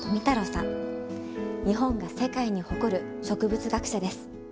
日本が世界に誇る植物学者です。